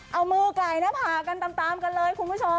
เอามือไก่หน้าผากกันตามกันเลยคุณผู้ชม